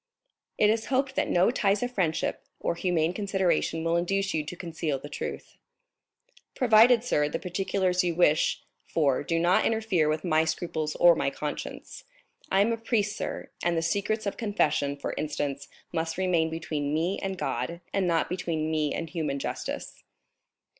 It is hoped that no ties of friendship or humane consideration will induce you to conceal the truth." "Provided, sir, the particulars you wish for do not interfere with my scruples or my conscience. I am a priest, sir, and the secrets of confession, for instance, must remain between me and God, and not between me and human justice."